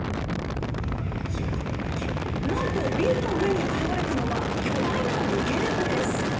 なんとビルの上に現れたのは巨大な三毛猫です。